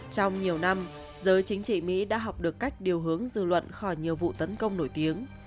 trong nhiều năm giới chính trị mỹ đã học được cách điều hướng dư luận khỏi nhiều vụ tấn công nổi tiếng